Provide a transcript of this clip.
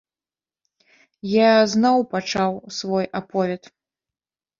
Я зноў пачаў свой аповед.